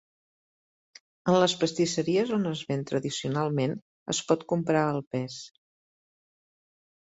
En les pastisseries on es ven tradicionalment, es pot comprar al pes.